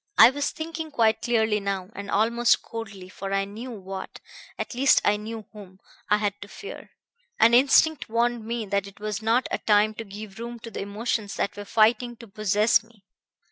I was thinking quite clearly now, and almost coldly, for I knew what at least I knew whom I had to fear, and instinct warned me that it was not a time to give room to the emotions that were fighting to possess me.